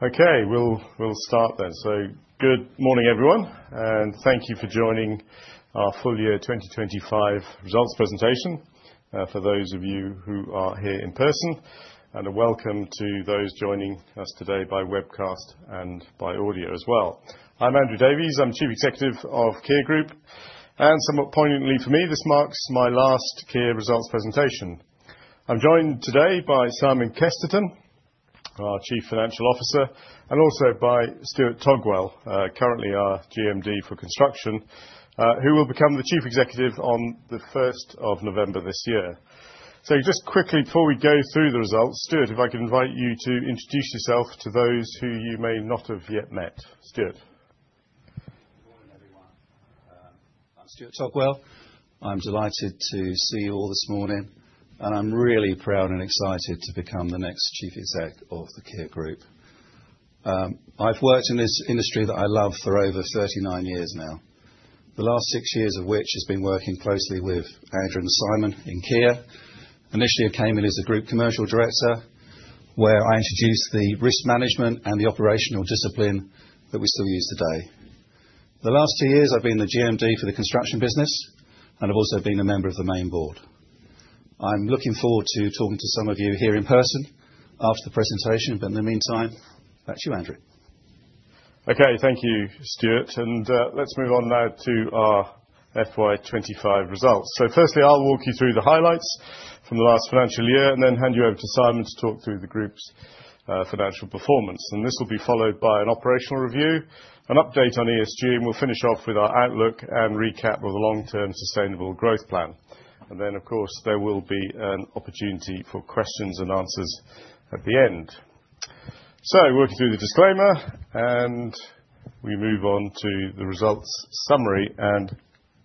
Okay, we'll start then. So good morning, everyone, and thank you for joining our full year 2025 results presentation for those of you who are here in person. And a welcome to those joining us today by webcast and by audio as well. I'm Andrew Davies. I'm Chief Executive of Kier Group. And somewhat poignantly for me, this marks my last Kier results presentation. I'm joined today by Simon Kesterton, our Chief Financial Officer, and also by Stuart Togwell, currently our GMD for construction, who will become the Chief Executive on the 1st of November this year. So just quickly, before we go through the results, Stuart, if I could invite you to introduce yourself to those who you may not have yet met. Stuart. Good morning, everyone. I'm Stuart Togwell. I'm delighted to see you all this morning, and I'm really proud and excited to become the next Chief Exec of the Kier Group. I've worked in this industry that I love for over 39 years now, the last six years of which has been working closely with Andrew and Simon in Kier. Initially, I came in as a Group Commercial Director, where I introduced the risk management and the operational discipline that we still use today. The last two years, I've been the GMD for the construction business, and I've also been a member of the main board. I'm looking forward to talking to some of you here in person after the presentation, but in the meantime, back to you, Andrew. Okay, thank you, Stuart. And let's move on now to our FY25 results. So firstly, I'll walk you through the highlights from the last financial year, and then hand you over to Simon to talk through the Group's financial performance. And this will be followed by an operational review, an update on ESG, and we'll finish off with our outlook and recap of the long-term sustainable growth plan. And then, of course, there will be an opportunity for questions and answers at the end. So we'll work through the disclaimer, and we move on to the results summary and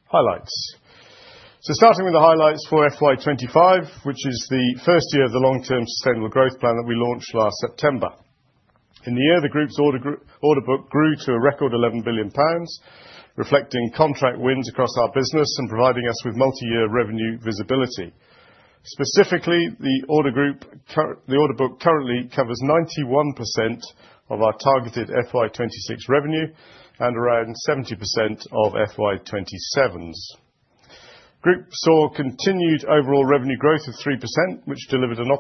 highlights. So starting with the highlights for FY25, which is the first year of the long-term sustainable growth plan that we launched last September. In the year, the Group's order book grew to a record £11 billion, reflecting contract wins across our business and providing us with multi-year revenue visibility. Specifically, the order book currently covers 91% of our targeted FY26 revenue and around 70% of FY27s. Group saw continued overall revenue growth of 3%, which delivered an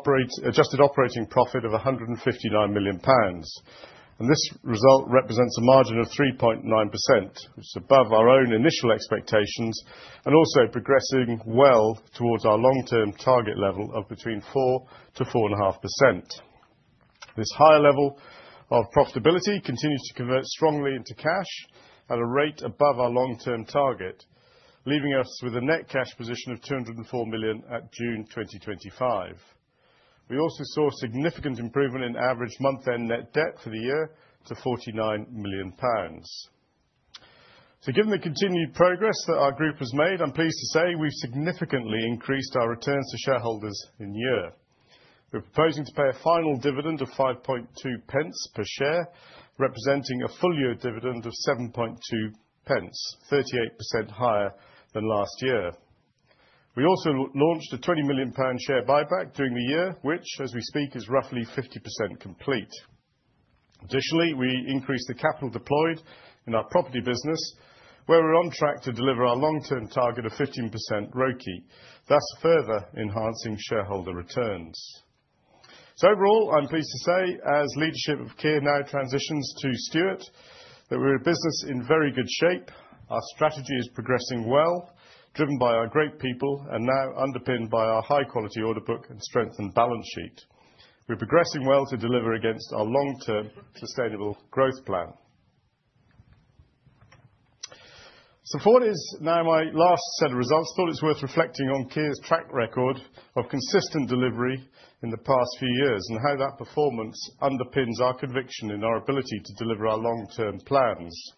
adjusted operating profit of 159 million pounds. And this result represents a margin of 3.9%, which is above our own initial expectations and also progressing well towards our long-term target level of between 4% to 4.5%. This higher level of profitability continues to convert strongly into cash at a rate above our long-term target, leaving us with a net cash position of 204 million at June 2025. We also saw a significant improvement in average month-end net debt for the year to 49 million pounds. So given the continued progress that our Group has made, I'm pleased to say we've significantly increased our returns to shareholders in year. We're proposing to pay a final dividend of 5.20 per share, representing a full year dividend of 7.20, 38% higher than last year. We also launched a 20 million pound share buyback during the year, which, as we speak, is roughly 50% complete. Additionally, we increased the capital deployed in our property business, where we're on track to deliver our long-term target of 15% RoCE, thus further enhancing shareholder returns. So overall, I'm pleased to say, as leadership of Kier now transitions to Stuart, that we're a business in very good shape. Our strategy is progressing well, driven by our great people and now underpinned by our high-quality order book and strengthened balance sheet. We're progressing well to deliver against our long-term sustainable growth plan. So before it is now my last set of results, I thought it's worth reflecting on Kier's track record of consistent delivery in the past few years and how that performance underpins our conviction in our ability to deliver our long-term plans.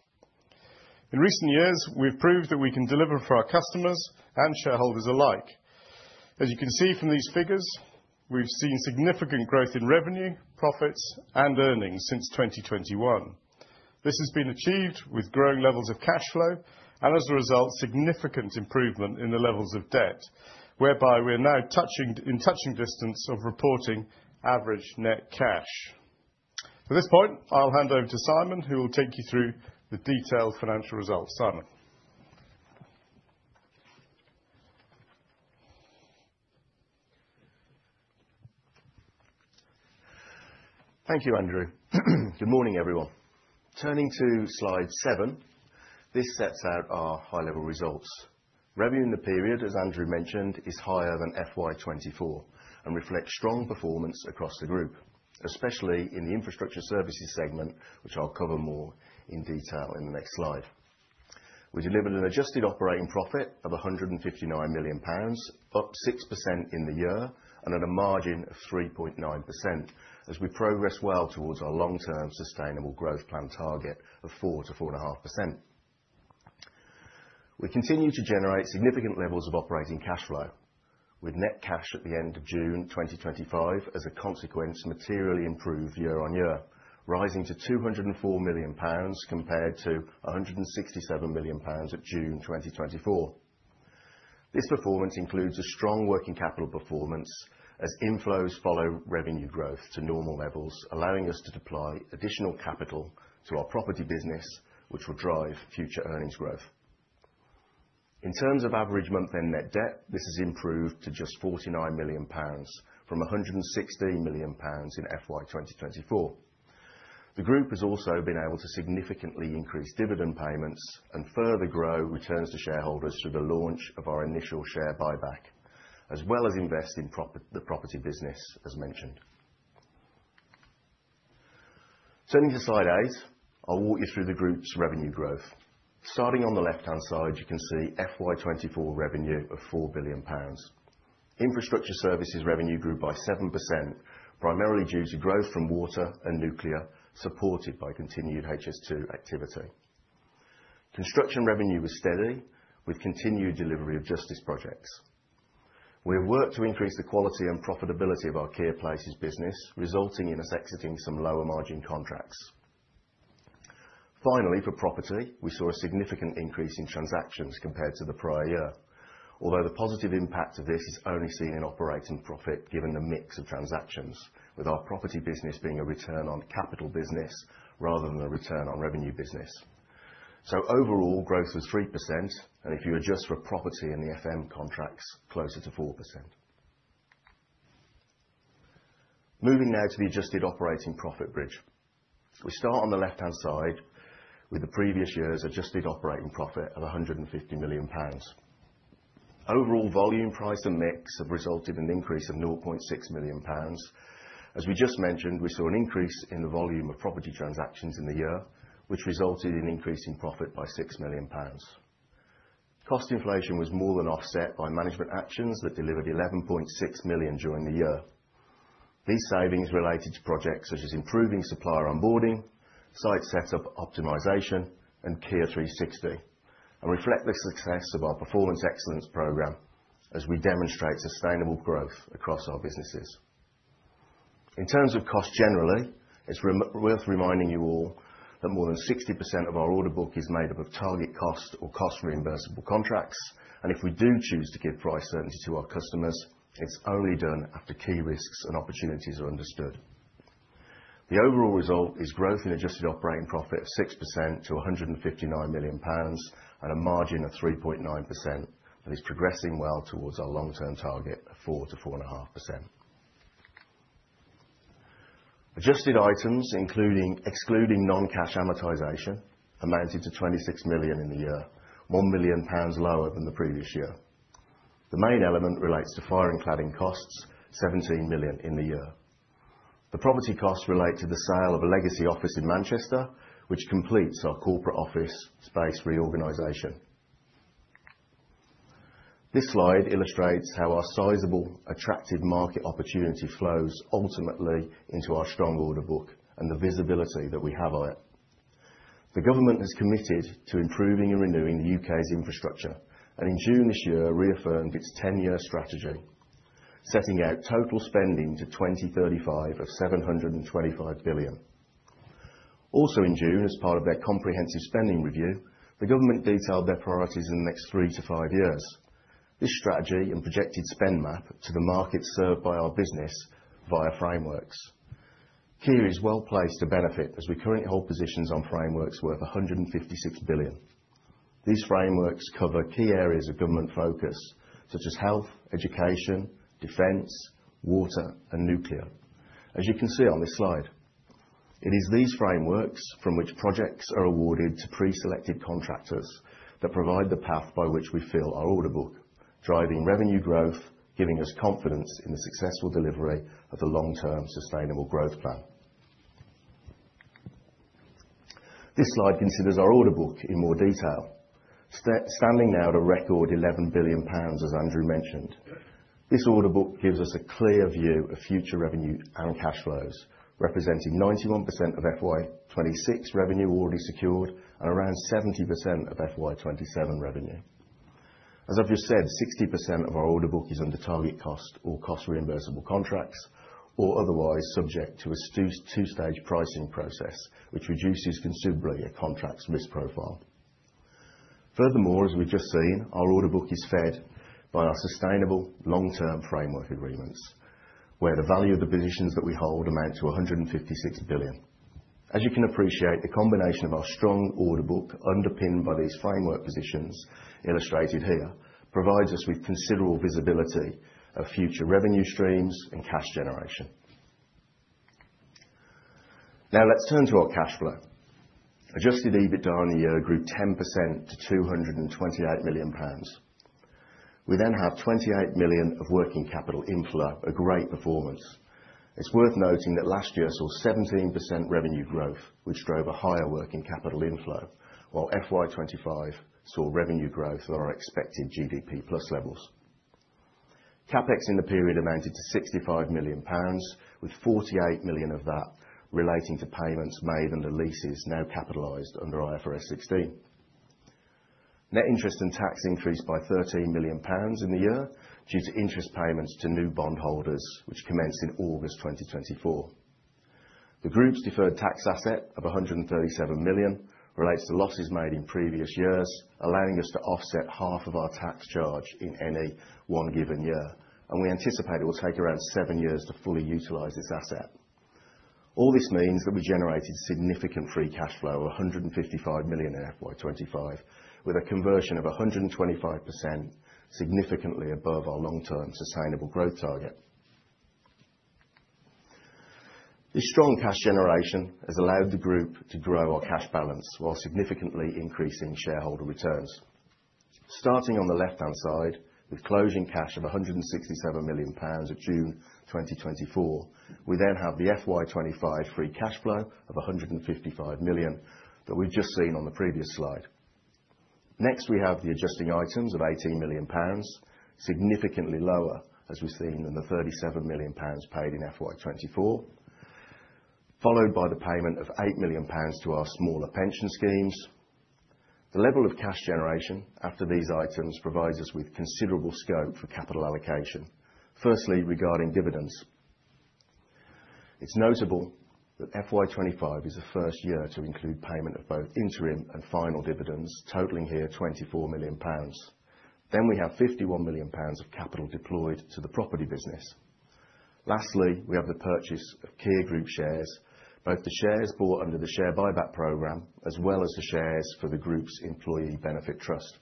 In recent years, we've proved that we can deliver for our customers and shareholders alike. As you can see from these figures, we've seen significant growth in revenue, profits, and earnings since 2021. This has been achieved with growing levels of cash flow and, as a result, significant improvement in the levels of debt, whereby we're now in touching distance of reporting average net cash. At this point, I'll hand over to Simon, who will take you through the detailed financial results. Simon. Thank you, Andrew. Good morning, everyone. Turning to slide seven, this sets out our high-level results. Revenue in the period, as Andrew mentioned, is higher than FY24 and reflects strong performance across the Group, especially in the infrastructure services segment, which I'll cover more in detail in the next slide. We delivered an adjusted operating profit of £159 million, up 6% in the year and at a margin of 3.9% as we progress well towards our long-term sustainable growth plan target of 4%-4.5%. We continue to generate significant levels of operating cash flow, with net cash at the end of June 2025, as a consequence, materially improved year on year, rising to £204 million compared to £167 million at June 2024. This performance includes a strong working capital performance as inflows follow revenue growth to normal levels, allowing us to deploy additional capital to our property business, which will drive future earnings growth. In terms of average month-end net debt, this has improved to just 49 million pounds from 160 million pounds in FY2024. The Group has also been able to significantly increase dividend payments and further grow returns to shareholders through the launch of our initial share buyback, as well as invest in the property business, as mentioned. Turning to slide eight, I'll walk you through the Group's revenue growth. Starting on the left-hand side, you can see FY24 revenue of 4 billion pounds. Infrastructure services revenue grew by 7%, primarily due to growth from water and nuclear, supported by continued HS2 activity. Construction revenue was steady, with continued delivery of justice projects. We have worked to increase the quality and profitability of our Kier Places business, resulting in us exiting some lower-margin contracts. Finally, for property, we saw a significant increase in transactions compared to the prior year, although the positive impact of this is only seen in operating profit given the mix of transactions, with our property business being a return on capital business rather than a return on revenue business, so overall, growth was 3%, and if you adjust for property in the FM contracts, closer to 4%. Moving now to the adjusted operating profit bridge. We start on the left-hand side with the previous year's adjusted operating profit of £150 million. Overall volume, price, and mix have resulted in an increase of £0.6 million. As we just mentioned, we saw an increase in the volume of property transactions in the year, which resulted in increasing profit by £6 million. Cost inflation was more than offset by management actions that delivered 11.6 million during the year. These savings related to projects such as improving supplier onboarding, site setup optimization, and Kier 360, and reflect the success of our performance excellence program as we demonstrate sustainable growth across our businesses. In terms of cost generally, it's worth reminding you all that more than 60% of our order book is made up of target cost or cost reimbursable contracts, and if we do choose to give price certainty to our customers, it's only done after key risks and opportunities are understood. The overall result is growth in adjusted operating profit of 6% to 159 million pounds and a margin of 3.9%, but it's progressing well towards our long-term target of 4% to 4.5%. Adjusted items, including excluding non-cash amortization, amounted to 26 million in the year, 1 million pounds lower than the previous year. The main element relates to fire and cladding costs, 17 million in the year. The property costs relate to the sale of a legacy office in Manchester, which completes our corporate office space reorganization. This slide illustrates how our sizable attractive market opportunity flows ultimately into our strong order book and the visibility that we have on it. The government has committed to improving and renewing the U.K.'s infrastructure and in June this year reaffirmed its 10-year strategy, setting out total spending to 2035 of 725 billion. Also in June, as part of their comprehensive spending review, the government detailed their priorities in the next three to five years. This strategy and projected spend map to the markets served by our business via frameworks. Kier is well placed to benefit as we currently hold positions on frameworks worth 156 billion. These frameworks cover key areas of government focus, such as health, education, defense, water, and nuclear, as you can see on this slide. It is these frameworks from which projects are awarded to pre-selected contractors that provide the path by which we fill our order book, driving revenue growth, giving us confidence in the successful delivery of the long-term sustainable growth plan. This slide considers our order book in more detail, standing now at a record 11 billion pounds, as Andrew mentioned. This order book gives us a clear view of future revenue and cash flows, representing 91% of FY26 revenue already secured and around 70% of FY27 revenue. As I've just said, 60% of our order book is under target cost or cost reimbursable contracts, or otherwise subject to a two-stage pricing process, which reduces considerably a contract's risk profile. Furthermore, as we've just seen, our order book is fed by our sustainable long-term framework agreements, where the value of the positions that we hold amount to 156 billion. As you can appreciate, the combination of our strong order book underpinned by these framework positions illustrated here provides us with considerable visibility of future revenue streams and cash generation. Now let's turn to our cash flow. Adjusted EBITDA on the year grew 10% to 228 million pounds. We then have 28 million of working capital inflow, a great performance. It's worth noting that last year saw 17% revenue growth, which drove a higher working capital inflow, while FY25 saw revenue growth at our expected GDP plus levels. CapEx in the period amounted to 65 million pounds, with 48 million of that relating to payments made under leases now capitalized under IFRS 16. Net interest and tax increased by 13 million pounds in the year due to interest payments to new bondholders, which commenced in August 2024. The Group's deferred tax asset of 137 million relates to losses made in previous years, allowing us to offset half of our tax charge in any one given year, and we anticipate it will take around seven years to fully utilise this asset. All this means that we generated significant free cash flow of 155 million in FY25, with a conversion of 125%, significantly above our long-term sustainable growth target. This strong cash generation has allowed the Group to grow our cash balance while significantly increasing shareholder returns. Starting on the left-hand side with closing cash of 167 million pounds at June 2024, we then have the FY25 free cash flow of 155 million that we've just seen on the previous slide. Next, we have the adjusting items of 18 million pounds, significantly lower, as we've seen, than the 37 million pounds paid in FY24, followed by the payment of 8 million pounds to our smaller pension schemes. The level of cash generation after these items provides us with considerable scope for capital allocation, firstly regarding dividends. It's notable that FY25 is the first year to include payment of both interim and final dividends, totaling here 24 million pounds. Then we have 51 million pounds of capital deployed to the property business. Lastly, we have the purchase of Kier Group shares, both the shares bought under the share buyback program as well as the shares for the Group's Employee Benefit Trust.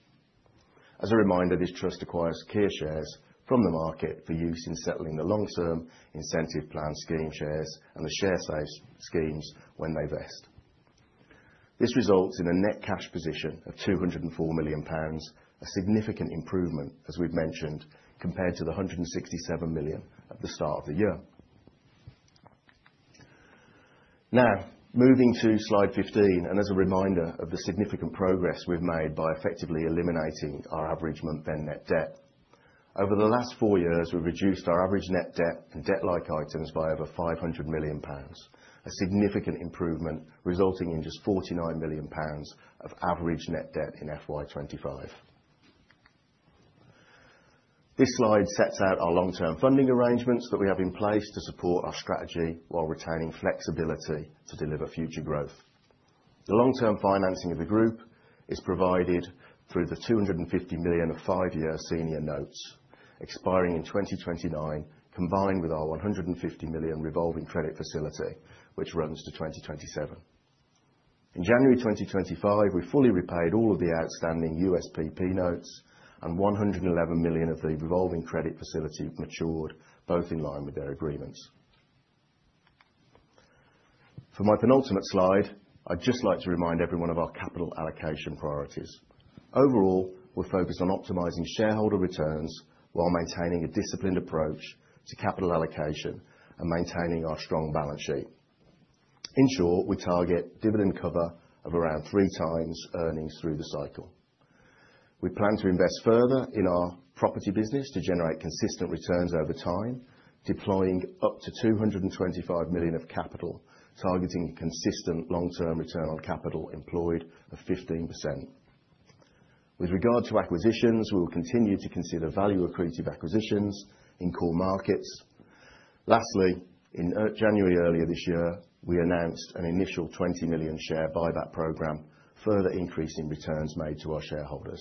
As a reminder, this trust acquires Kier shares from the market for use in settling the long-term incentive plan scheme shares and the share save schemes when they vest. This results in a net cash position of £204 million, a significant improvement, as we've mentioned, compared to the £167 million at the start of the year. Now moving to slide 15 and as a reminder of the significant progress we've made by effectively eliminating our average month-end net debt. Over the last four years, we've reduced our average net debt and debt-like items by over £500 million, a significant improvement resulting in just £49 million of average net debt in FY25. This slide sets out our long-term funding arrangements that we have in place to support our strategy while retaining flexibility to deliver future growth. The long-term financing of the Group is provided through the £250 million of five-year senior notes expiring in 2029, combined with our £150 million revolving credit facility, which runs to 2027. In January 2025, we fully repaid all of the outstanding USPP notes and 111 million of the revolving credit facility matured, both in line with their agreements. For my penultimate slide, I'd just like to remind everyone of our capital allocation priorities. Overall, we're focused on optimizing shareholder returns while maintaining a disciplined approach to capital allocation and maintaining our strong balance sheet. In short, we target dividend cover of around three times earnings through the cycle. We plan to invest further in our property business to generate consistent returns over time, deploying up to 225 million of capital, targeting a consistent long-term return on capital employed of 15%. With regard to acquisitions, we will continue to consider value accretive acquisitions in core markets. Lastly, in January earlier this year, we announced an initial 20 million share buyback program, further increasing returns made to our shareholders.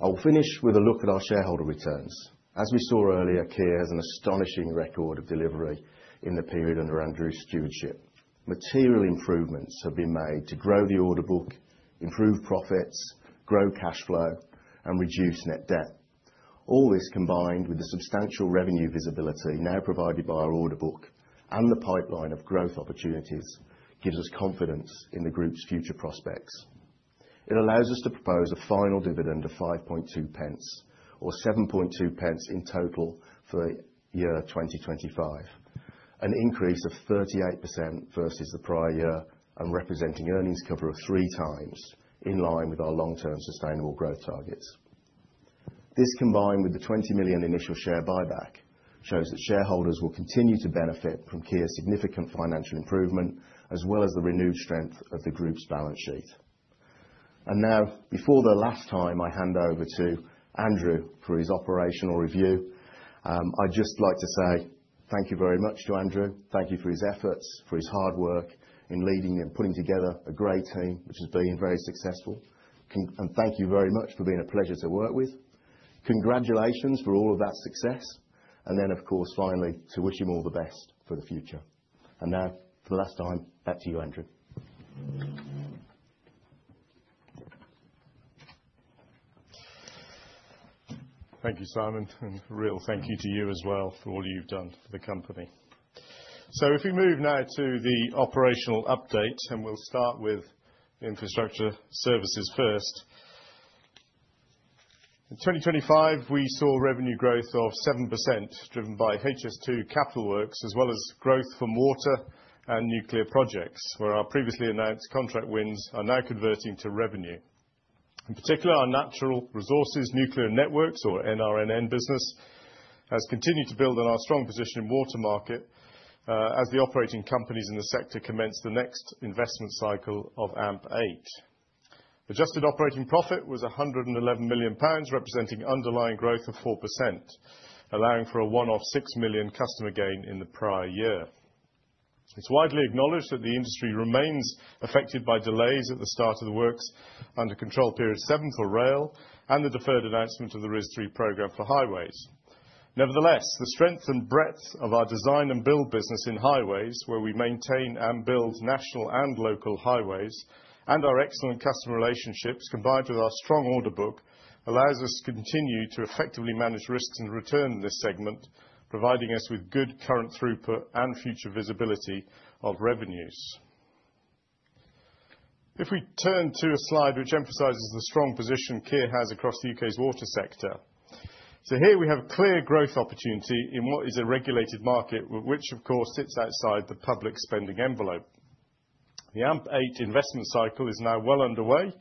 I will finish with a look at our shareholder returns. As we saw earlier, Kier has an astonishing record of delivery in the period under Andrew's stewardship. Material improvements have been made to grow the order book, improve profits, grow cash flow, and reduce net debt. All this combined with the substantial revenue visibility now provided by our order book and the pipeline of growth opportunities gives us confidence in the Group's future prospects. It allows us to propose a final dividend of 5.20, or 7.20 in total for year 2025, an increase of 38% versus the prior year and representing earnings cover of three times, in line with our long-term sustainable growth targets. This, combined with the 20 million initial share buyback, shows that shareholders will continue to benefit from Kier's significant financial improvement, as well as the renewed strength of the Group's balance sheet. And now, before the last time, I hand over to Andrew for his operational review. I'd just like to say thank you very much to Andrew. Thank you for his efforts, for his hard work in leading and putting together a great team, which has been very successful. And thank you very much for being a pleasure to work with. Congratulations for all of that success. And then, of course, finally, to wish him all the best for the future. And now, for the last time, back to you, Andrew. Thank you, Simon, and a real thank you to you as well for all you've done for the company. So if we move now to the operational update, and we'll start with infrastructure services first. In 2025, we saw revenue growth of 7% driven by HS2 Capital Works, as well as growth from water and nuclear projects, where our previously announced contract wins are now converting to revenue. In particular, our Natural Resources, Nuclear and Networks, or NRNN business, has continued to build on our strong position in water market as the operating companies in the sector commence the next investment cycle of AMP8. Adjusted operating profit was 111 million pounds, representing underlying growth of 4%, allowing for a one-off 6 million customer gain in the prior year. It's widely acknowledged that the industry remains affected by delays at the start of the works under Control Period 7 for rail and the deferred announcement of the RIS3 program for highways. Nevertheless, the strength and breadth of our design and build business in highways, where we maintain and build national and local highways, and our excellent customer relationships combined with our strong order book allows us to continue to effectively manage risks and return in this segment, providing us with good current throughput and future visibility of revenues. If we turn to a slide which emphasizes the strong position Kier has across the UK's water sector, so here we have a clear growth opportunity in what is a regulated market, which, of course, sits outside the public spending envelope. The AMP8 investment cycle is now well underway,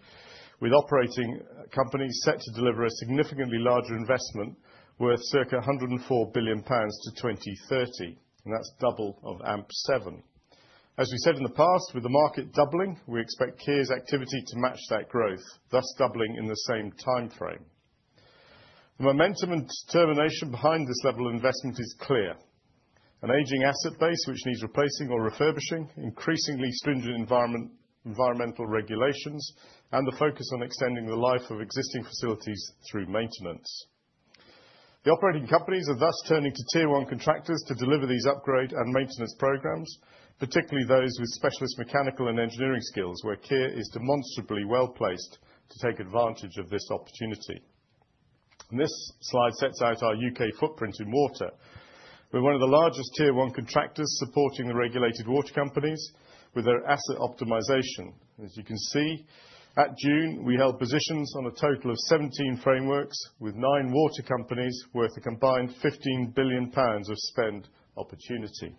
with operating companies set to deliver a significantly larger investment worth circa 104 billion pounds to 2030, and that's double of AMP7. As we said in the past, with the market doubling, we expect Kier's activity to match that growth, thus doubling in the same timeframe. The momentum and determination behind this level of investment is clear: an aging asset base which needs replacing or refurbishing, increasingly stringent environmental regulations, and the focus on extending the life of existing facilities through maintenance. The operating companies are thus turning to tier one contractors to deliver these upgrade and maintenance programs, particularly those with specialist mechanical and engineering skills, where Kier is demonstrably well placed to take advantage of this opportunity. This slide sets out our UK footprint in water. We're one of the largest tier one contractors supporting the regulated water companies with their asset optimization. As you can see, at June, we held positions on a total of 17 frameworks with nine water companies worth a combined £15 billion of spend opportunity.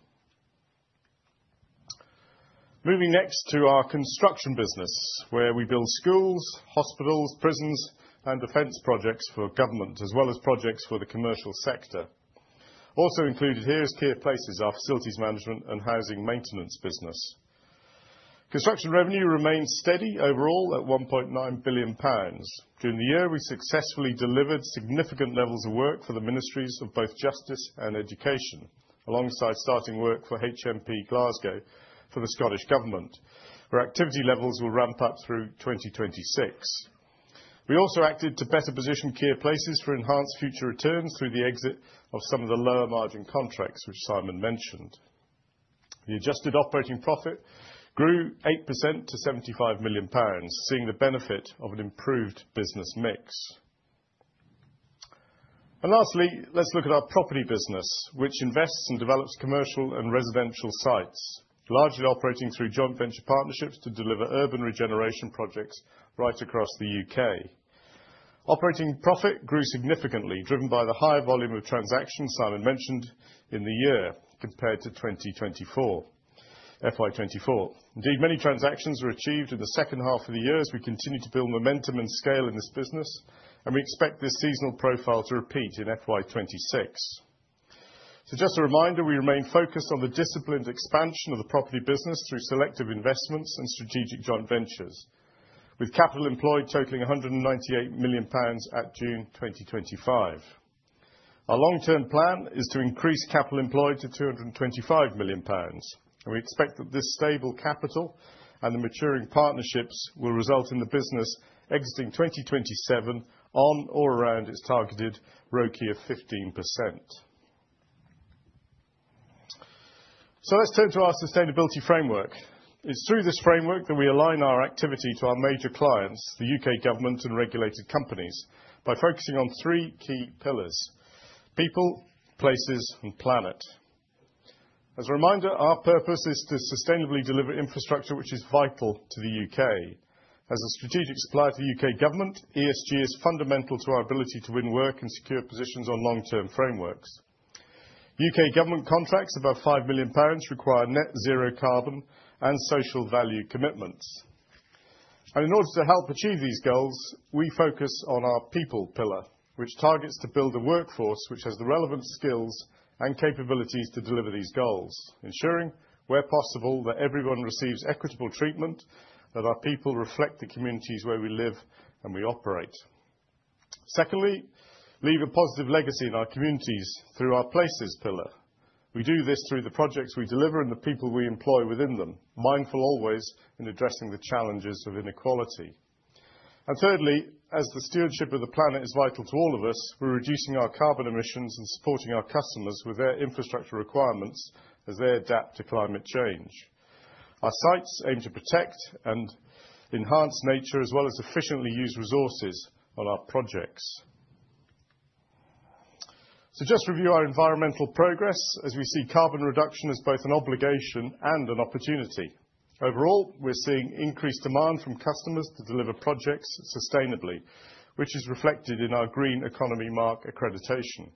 Moving next to our construction business, where we build schools, hospitals, prisons, and defense projects for government, as well as projects for the commercial sector. Also included here is Kier Places, our facilities management and housing maintenance business. Construction revenue remains steady overall at £1.9 billion. During the year, we successfully delivered significant levels of work for the ministries of both justice and education, alongside starting work for HMP Glasgow for the Scottish Government, where activity levels will ramp up through 2026. We also acted to better position Kier Places for enhanced future returns through the exit of some of the lower margin contracts which Simon mentioned. The adjusted operating profit grew 8% to 75 million pounds, seeing the benefit of an improved business mix. Lastly, let's look at our property business, which invests and develops commercial and residential sites, largely operating through joint venture partnerships to deliver urban regeneration projects right across the UK. Operating profit grew significantly, driven by the high volume of transactions Simon mentioned in the year compared to 2024, FY 2024. Indeed, many transactions were achieved in the second half of the year as we continue to build momentum and scale in this business, and we expect this seasonal profile to repeat in FY 2026. Just a reminder, we remain focused on the disciplined expansion of the property business through selective investments and strategic joint ventures, with capital employed totaling 198 million pounds at June 2025. Our long-term plan is to increase capital employed to 225 million pounds, and we expect that this stable capital and the maturing partnerships will result in the business exiting 2027 on or around its targeted RoCE of 15%. Let's turn to our sustainability framework. It's through this framework that we align our activity to our major clients, the U.K. government and regulated companies, by focusing on three key pillars: people, places, and planet. As a reminder, our purpose is to sustainably deliver infrastructure which is vital to the U.K. As a strategic supplier to the U.K. government, ESG is fundamental to our ability to win work and secure positions on long-term frameworks. UK government contracts above 5 million pounds require net zero carbon and social value commitments. And in order to help achieve these goals, we focus on our people pillar, which targets to build a workforce which has the relevant skills and capabilities to deliver these goals, ensuring, where possible, that everyone receives equitable treatment, that our people reflect the communities where we live and we operate. Secondly, leave a positive legacy in our communities through our places pillar. We do this through the projects we deliver and the people we employ within them, mindful always in addressing the challenges of inequality. And thirdly, as the stewardship of the planet is vital to all of us, we're reducing our carbon emissions and supporting our customers with their infrastructure requirements as they adapt to climate change. Our sites aim to protect and enhance nature as well as efficiently use resources on our projects. Just review our environmental progress as we see carbon reduction as both an obligation and an opportunity. Overall, we're seeing increased demand from customers to deliver projects sustainably, which is reflected in our Green Economy Mark accreditation.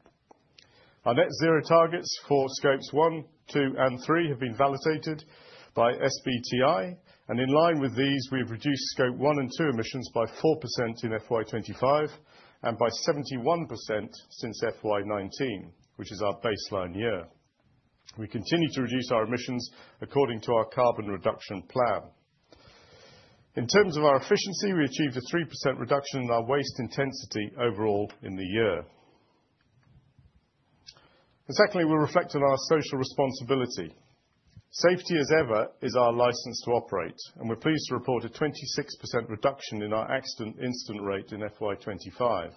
Our net zero targets for Scope 1, 2, and 3 have been validated by SBTi, and in line with these, we've reduced Scope 1 and 2 emissions by 4% in FY25 and by 71% since FY19, which is our baseline year. We continue to reduce our emissions according to our carbon reduction plan. In terms of our efficiency, we achieved a 3% reduction in our waste intensity overall in the year. Secondly, we'll reflect on our social responsibility. Safety as ever is our license to operate, and we're pleased to report a 26% reduction in our accident incident rate in FY25.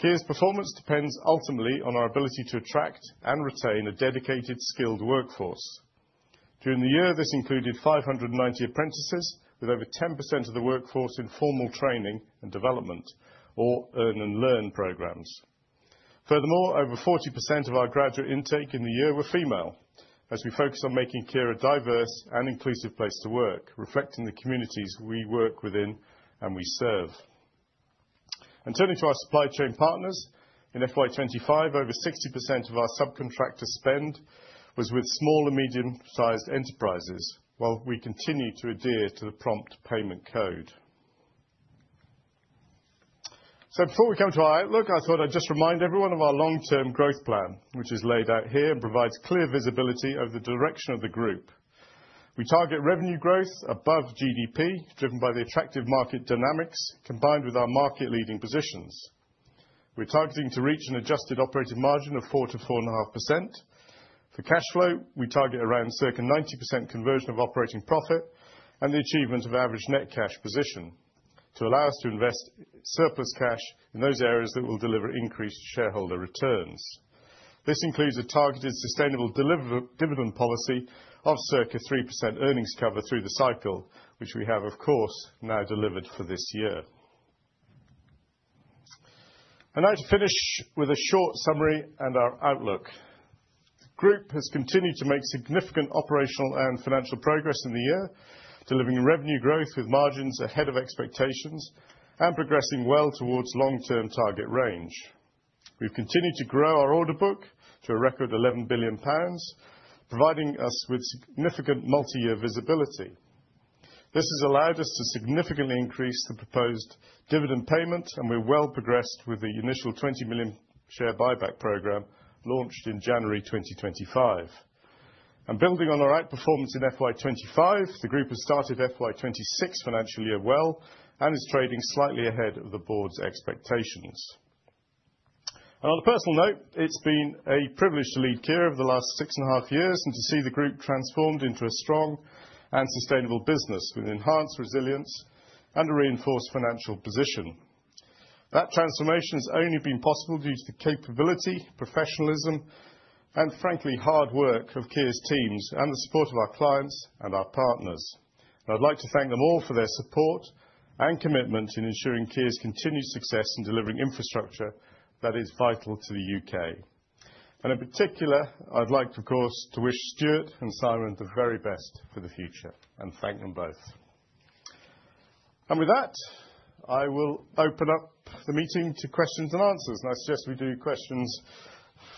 Kier's performance depends ultimately on our ability to attract and retain a dedicated skilled workforce. During the year, this included 590 apprentices, with over 10% of the workforce in formal training and development or earn and learn programs. Furthermore, over 40% of our graduate intake in the year were female, as we focus on making Kier a diverse and inclusive place to work, reflecting the communities we work within and we serve. And turning to our supply chain partners, in FY25, over 60% of our subcontractor spend was with small and medium-sized enterprises, while we continue to adhere to the prompt payment code. So before we come to our outlook, I thought I'd just remind everyone of our long-term growth plan, which is laid out here and provides clear visibility of the direction of the group. We target revenue growth above GDP, driven by the attractive market dynamics, combined with our market-leading positions. We're targeting to reach an adjusted operating margin of 4%-4.5%. For cash flow, we target around circa 90% conversion of operating profit and the achievement of average net cash position to allow us to invest surplus cash in those areas that will deliver increased shareholder returns. This includes a targeted sustainable dividend policy of circa 3% earnings cover through the cycle, which we have, of course, now delivered for this year. And now to finish with a short summary and our outlook. The Group has continued to make significant operational and financial progress in the year, delivering revenue growth with margins ahead of expectations and progressing well towards long-term target range. We've continued to grow our order book to a record 11 billion pounds, providing us with significant multi-year visibility. This has allowed us to significantly increase the proposed dividend payment, and we're well progressed with the initial 20 million share buyback program launched in January 2025. And building on our outperformance in FY25, the Group has started FY26 financial year well and is trading slightly ahead of the Board's expectations. And on a personal note, it's been a privilege to lead Kier over the last six and a half years and to see the Group transformed into a strong and sustainable business with enhanced resilience and a reinforced financial position. That transformation has only been possible due to the capability, professionalism, and frankly, hard work of Kier's teams and the support of our clients and our partners. And I'd like to thank them all for their support and commitment in ensuring Kier's continued success in delivering infrastructure that is vital to the U.K. And in particular, I'd like, of course, to wish Stuart and Simon the very best for the future and thank them both. And with that, I will open up the meeting to questions and answers. And I suggest we do questions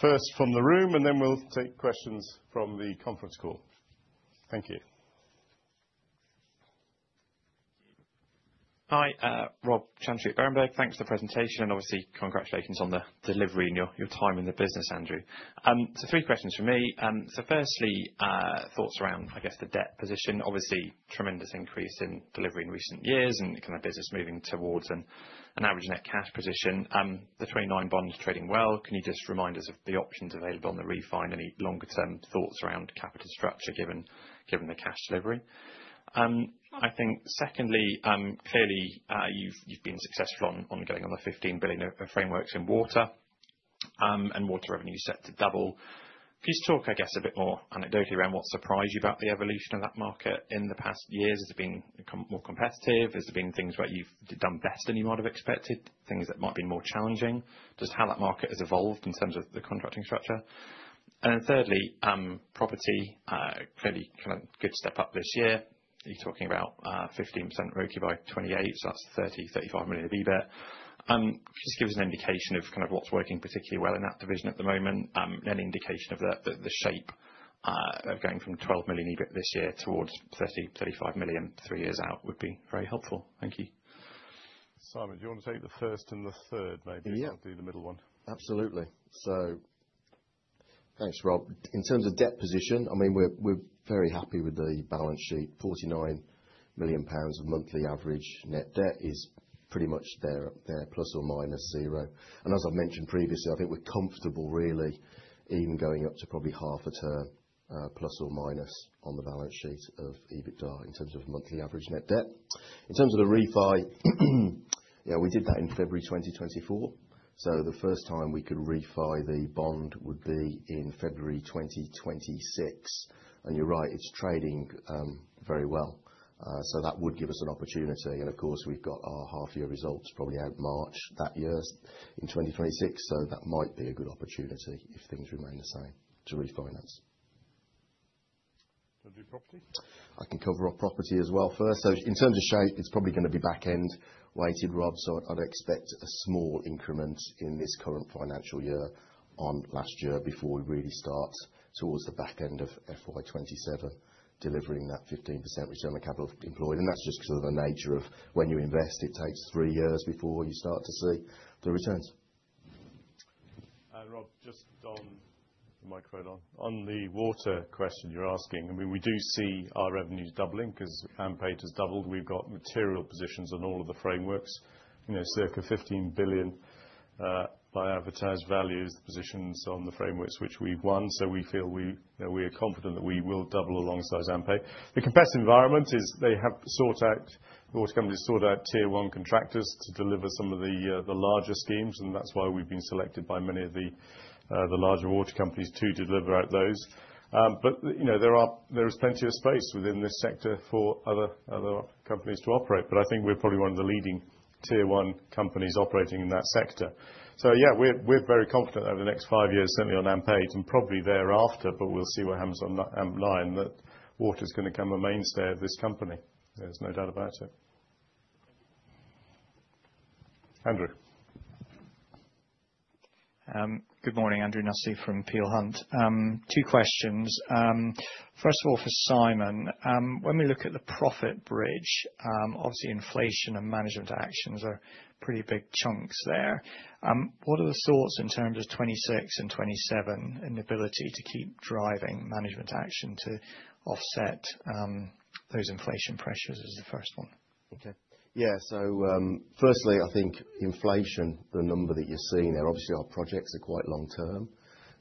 first from the room, and then we'll take questions from the conference call. Thank you. Hi, Rob Chantry at Berenberg. Thanks for the presentation, and obviously, congratulations on the delivery and your time in the business, Andrew. So three questions for me. So firstly, thoughts around, I guess, the debt position. Obviously, tremendous increase in delivery in recent years and kind of business moving towards an average net cash position. The 29 bonds trading well. Can you just remind us of the options available on the refine? Any longer-term thoughts around capital structure given the cash delivery? I think, secondly, clearly, you've been successful on going on the 15 billion frameworks in water and water revenue set to double. Could you talk, I guess, a bit more anecdotally around what surprised you about the evolution of that market in the past years? Has it been more competitive? Has there been things where you've done better than you might have expected, things that might have been more challenging? Just how that market has evolved in terms of the contracting structure. And then thirdly, property, clearly, kind of good step up this year. You're talking about 15% RoCE by 2028, so that's 30-35 million of EBIT. Could you just give us an indication of kind of what's working particularly well in that division at the moment? Any indication of the shape of going from 12 million EBIT this year towards 30-35 million three years out would be very helpful. Thank you. Simon, do you want to take the first and the third, maybe? Yeah. I'll do the middle one. Absolutely. So thanks, Rob. In terms of debt position, I mean, we're very happy with the balance sheet. 49 million pounds of monthly average net debt is pretty much there, plus or minus zero. And as I've mentioned previously, I think we're comfortable really even going up to probably half a turn, plus or minus, on the balance sheet of EBITDA in terms of monthly average net debt. In terms of the refi, yeah, we did that in February 2024. So the first time we could refi the bond would be in February 2026. And you're right, it's trading very well. So that would give us an opportunity. And of course, we've got our half-year results probably out March that year in 2026. So that might be a good opportunity if things remain the same to refinance. Do property? I can cover our property as well first. So in terms of shape, it's probably going to be back-end weighted, Rob. So I'd expect a small increment in this current financial year on last year before we really start towards the back end of FY27, delivering that 15% return on capital employed. And that's just sort of the nature of when you invest, it takes three years before you start to see the returns. Rob, just on the microphone, on the water question you're asking, I mean, we do see our revenues doubling because AMP8 has doubled. We've got material positions on all of the frameworks, circa £15 billion by advertised values, positions on the frameworks which we've won. So we feel we are confident that we will double alongside AMP8. The competitive environment is they have sought out water companies, sought out tier one contractors to deliver some of the larger schemes. And that's why we've been selected by many of the larger water companies to deliver out those. But there is plenty of space within this sector for other companies to operate. But I think we're probably one of the leading tier one companies operating in that sector. So yeah, we're very confident over the next five years, certainly on AMP8 and probably thereafter, but we'll see what happens online. That water is going to become a mainstay of this company. There's no doubt about it. Andrew. Good morning, Andrew Nussey from Peel Hunt. Two questions. First of all, for Simon, when we look at the profit bridge, obviously inflation and management actions are pretty big chunks there. What are the thoughts in terms of 26 and 27 and the ability to keep driving management action to offset those inflation pressures is the first one? Okay. Yeah. So firstly, I think inflation, the number that you're seeing there, obviously our projects are quite long-term.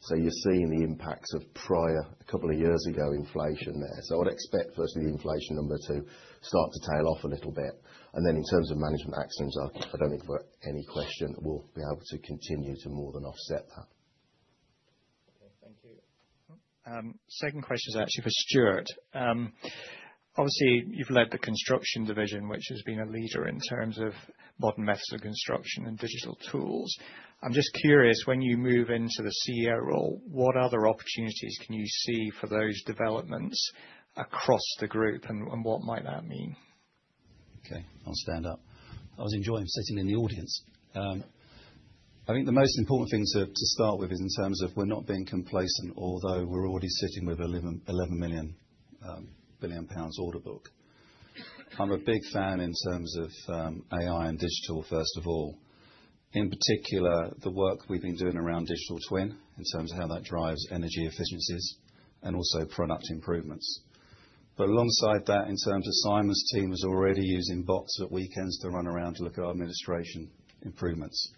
So you're seeing the impacts of prior, a couple of years ago, inflation there. So I'd expect firstly the inflation number to start to tail off a little bit. And then in terms of management actions, I don't think there's any question we'll be able to continue to more than offset that. Okay. Thank you. Second question is actually for Stuart. Obviously, you've led the construction division, which has been a leader in terms of modern methods of construction and digital tools. I'm just curious, when you move into the CEO role, what other opportunities can you see for those developments across the group, and what might that mean? Okay. I'll stand up. I was enjoying sitting in the audience. I think the most important thing to start with is, in terms of, we're not being complacent, although we're already sitting with a 11 billion pounds order book. I'm a big fan, in terms of AI and digital, first of all. In particular, the work we've been doing around digital twin, in terms of how that drives energy efficiencies and also product improvements, but alongside that, in terms of, Simon's team is already using bots at weekends to run around to look at our administration improvements.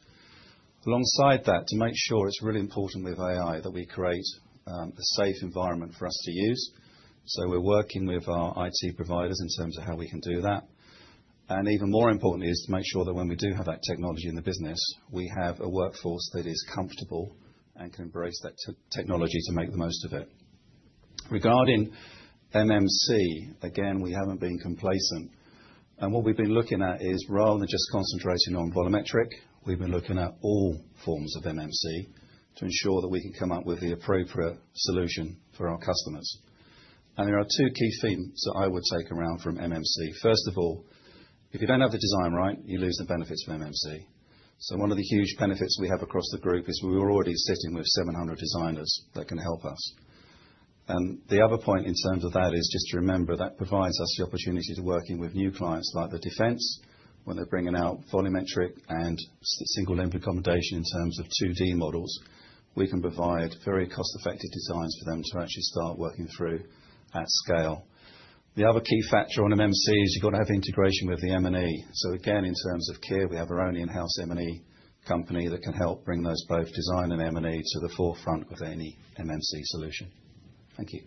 Alongside that, to make sure it's really important with AI that we create a safe environment for us to use, so we're working with our IT providers, in terms of how we can do that. Even more importantly is to make sure that when we do have that technology in the business, we have a workforce that is comfortable and can embrace that technology to make the most of it. Regarding MMC, again, we haven't been complacent. What we've been looking at is rather than just concentrating on volumetric, we've been looking at all forms of MMC to ensure that we can come up with the appropriate solution for our customers. There are two key themes that I would take around from MMC. First of all, if you don't have the design right, you lose the benefits of MMC. So one of the huge benefits we have across the group is we were already sitting with 700 designers that can help us. The other point in terms of that is just to remember that provides us the opportunity to working with new clients like the defense when they're bringing out volumetric and single limb accommodation in terms of 2D models. We can provide very cost-effective designs for them to actually start working through at scale. The other key factor on MMC is you've got to have integration with the M&E. So again, in terms of Kier, we have our own in-house M&E company that can help bring those both design and M&E to the forefront with any MMC solution. Thank you.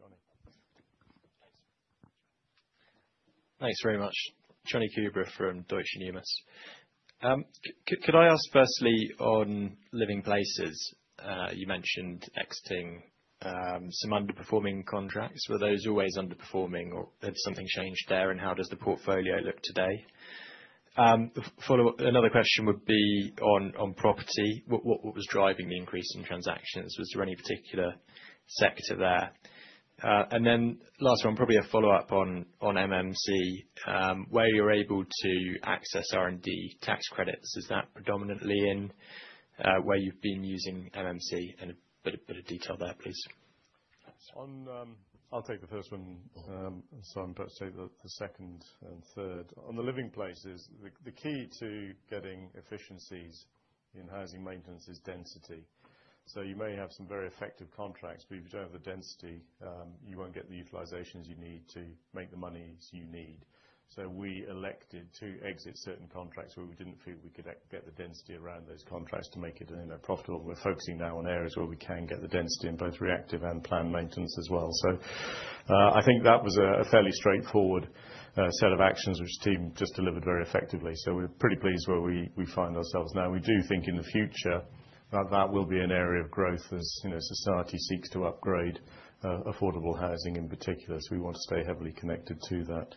Johnny. Thanks. Thanks very much. Jonny Coubrough from Deutsche Numis. Could I ask firstly on living places? You mentioned exiting some underperforming contracts. Were those always underperforming, or did something change there, and how does the portfolio look today? Another question would be on property. What was driving the increase in transactions? Was there any particular sector there? And then last one, probably a follow-up on MMC. Where you're able to access R&D tax credits, is that predominantly in where you've been using MMC? And a bit of detail there, please. Thanks. I'll take the first one, and Simon will take the second and third. On the living places, the key to getting efficiencies in housing maintenance is density. So you may have some very effective contracts, but if you don't have the density, you won't get the utilizations you need to make the monies you need. So we elected to exit certain contracts where we didn't feel we could get the density around those contracts to make it profitable. We're focusing now on areas where we can get the density in both reactive and planned maintenance as well. So I think that was a fairly straightforward set of actions, which the team just delivered very effectively. So we're pretty pleased where we find ourselves now. We do think in the future that that will be an area of growth as society seeks to upgrade affordable housing in particular. So we want to stay heavily connected to that.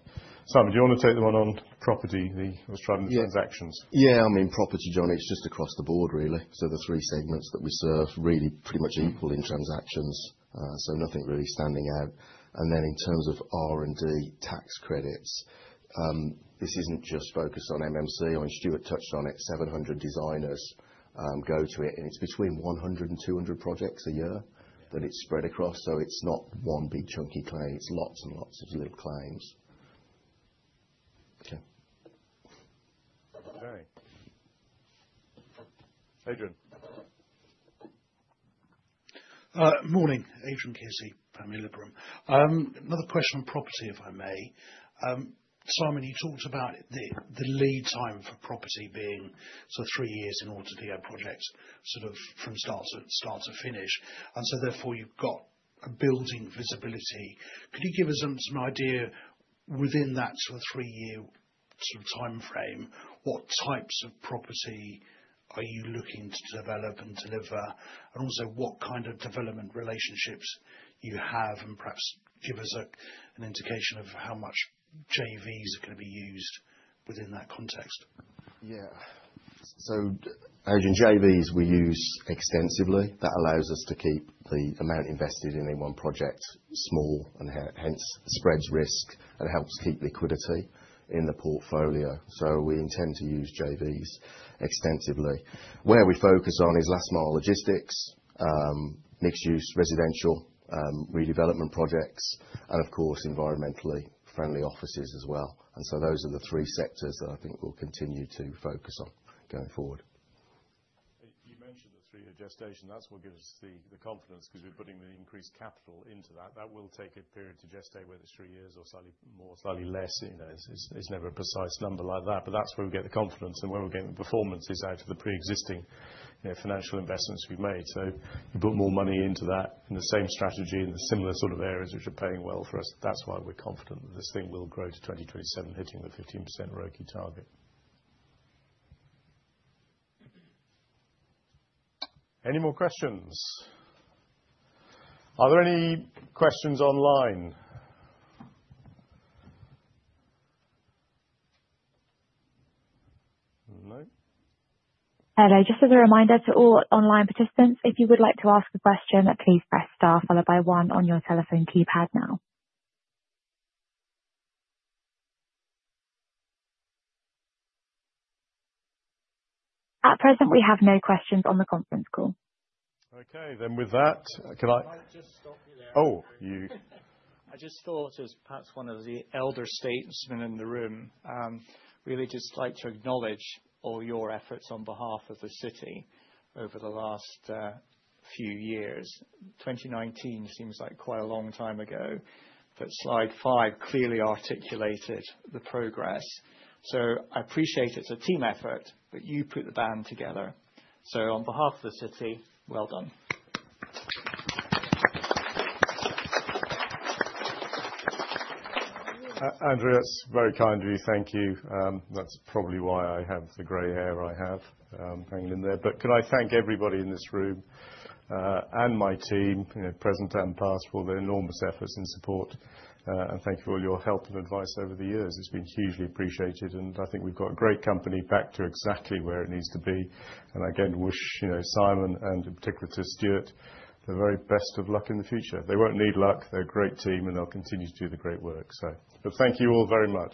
Simon, do you want to take the one on property? I was driving the transactions. Yeah. I mean, property, Johnny, it's just across the board, really. So the three segments that we serve really pretty much equal in transactions. So nothing really standing out. And then in terms of R&D tax credits, this isn't just focused on MMC. I mean, Stuart touched on it. 700 designers go to it, and it's between 100 and 200 projects a year that it's spread across. So it's not one big chunky claim. It's lots and lots of little claims. Okay. Okay. Adrian. Morning. Adrian Kearsey, Panmure Liberum. Another question on property, if I may. Simon, you talked about the lead time for property being sort of three years in order to be a project sort of from start to finish. And so therefore, you've got a building visibility. Could you give us some idea within that sort of three-year sort of time frame, what types of property are you looking to develop and deliver, and also what kind of development relationships you have, and perhaps give us an indication of how much JVs are going to be used within that context? Yeah. So Adrian, JVs we use extensively. That allows us to keep the amount invested in any one project small, and hence spreads risk and helps keep liquidity in the portfolio. So we intend to use JVs extensively. Where we focus on is last-mile logistics, mixed-use residential, redevelopment projects, and of course, environmentally friendly offices as well. And so those are the three sectors that I think we'll continue to focus on going forward. You mentioned the three-year gestation. That's what gives us the confidence because we're putting the increased capital into that. That will take a period to gestate whether it's three years or slightly more, slightly less. It's never a precise number like that. But that's where we get the confidence and where we're getting the performances out of the pre-existing financial investments we've made. So you put more money into that in the same strategy in the similar sort of areas which are paying well for us. That's why we're confident that this thing will grow to 2027, hitting the 15% ROE key target. Any more questions? Are there any questions online? No? Addie, just as a reminder to all online participants, if you would like to ask a question, please press star followed by one on your telephone keypad now. At present, we have no questions on the conference call. Okay. Then with that, can I? Oh, you. I just thought as perhaps one of the elder statesmen in the room, really just like to acknowledge all your efforts on behalf of the city over the last few years. 2019 seems like quite a long time ago, but slide five clearly articulated the progress. So I appreciate it's a team effort, but you put the band together. So on behalf of the city, well done. Andrea, it's very kind of you. Thank you. That's probably why I have the gray hair I have hanging in there. But could I thank everybody in this room and my team, present and past, for the enormous efforts and support? And thank you for all your help and advice over the years. It's been hugely appreciated. And I think we've got a great company back to exactly where it needs to be. And I again wish Simon and in particular to Stuart the very best of luck in the future. They won't need luck. They're a great team, and they'll continue to do the great work. But thank you all very much.